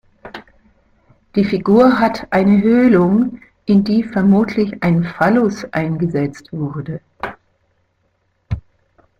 Die Figur hat eine Höhlung, in die vermutlich ein Phallus eingesetzt wurde.